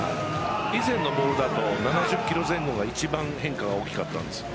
以前のボールだと７０キロ前後が一番変化が大きかったんです。